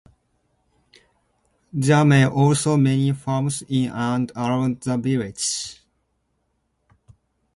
There are also many farms in and around the village.